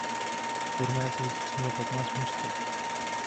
Turnaje se zúčastnilo patnáct mužstev.